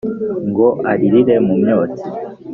Ngo aririre mu myotsi.